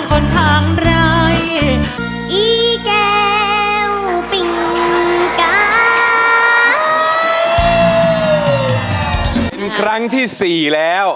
คลิกที่สี่แล้ว